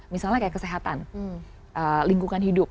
misalnya kayak kesehatan lingkungan hidup